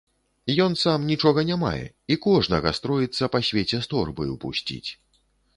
Ён сам нічога не мае і кожнага строіцца па свеце з торбаю пусціць.